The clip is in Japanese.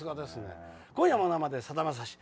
「今夜も生でさだまさし」。